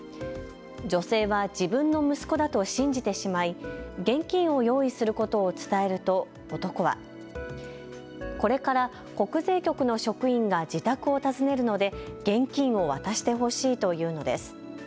女性は自分の息子だと信じてしまい、現金を用意することを伝えると男は、これから国税局の職員が自宅を訪ねるので現金を渡してほしいというのです。